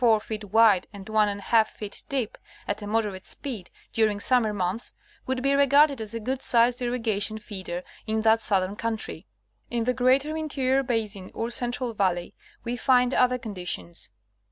feet wide and 1^ feet deep, at a moderate speed, during summer months, would be regarded as a good sized irrigation feeder in that southern country. In the greater interior basin or central valley, we find other con ditions.